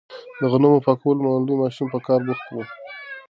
د غنمو د پاکولو لوی ماشین په کار بوخت و.